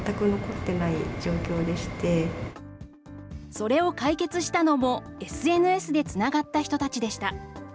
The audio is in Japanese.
それを解決したのも、ＳＮＳでつながった人たちでした。